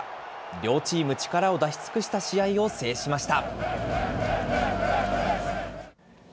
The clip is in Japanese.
両チーム、力を出し尽くした試合を制しました。